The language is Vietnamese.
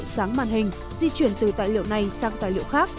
sáng màn hình di chuyển từ tài liệu này sang tài liệu khác